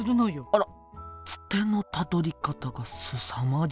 あらツテのたどり方がすさまじいじゃない。